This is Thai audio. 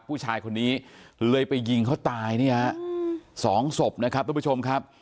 ผู้ชายคนนี้เลยไปยิงเขาตายเนี่ยฮะสองศพนะครับทุกผู้ชมครับ